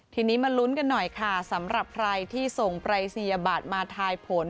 ทีนี้มาลุ้นกันหน่อยค่ะสำหรับใครที่ส่งปรายศนียบัตรมาทายผล